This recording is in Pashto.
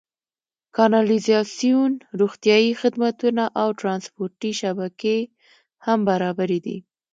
کانالیزاسیون، روغتیايي خدمتونه او ټرانسپورتي شبکې هم برابرې دي.